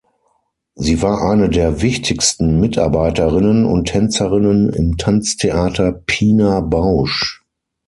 Sie war eine der wichtigsten Mitarbeiterinnen und Tänzerinnen im Tanztheater Pina Bausch.